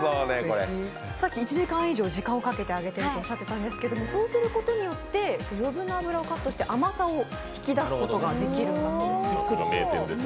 さっき１時間以上時間をかけて揚げてるとおっしゃったんですがそうすることによって、余分な油をカットして甘さを引き出すことができるんだそうです。